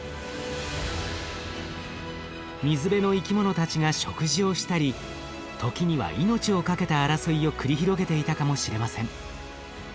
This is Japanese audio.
水辺の生き物たちが食事をしたり時には命をかけた争いを繰り広げていたかもしれません。